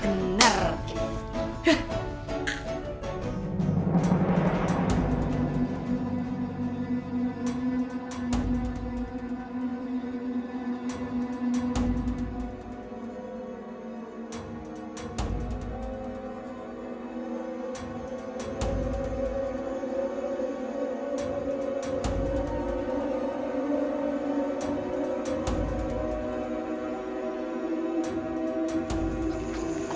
tunggu sebentar ya